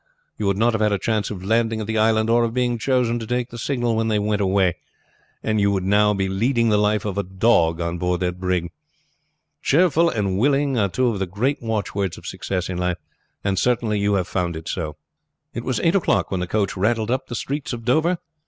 You would not have had a chance of landing at that island or of being chosen to make the signal when they went away, and you would now be leading the life of a dog on board that brig. Cheerful and willing are two of the great watchwords of success in life, and certainly you have found it so." It was eight o'clock when the coach rattled up the streets of Dover.